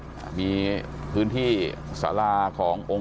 ความปลอดภัยของนายอภิรักษ์และครอบครัวด้วยซ้ำ